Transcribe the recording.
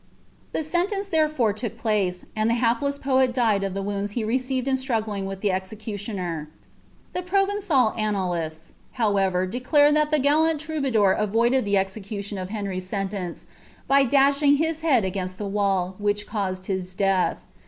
' Th« sentence therefore tuok place, and the hapless poet ilietl of the vvnnds he received in struggling with the executioner.' The Provencal uiimliaU. however, declare tiiat the gallant troubadour avoided the exe eittioa of Henry's Buntence, by dashing his head against the wall, which eagaed his death.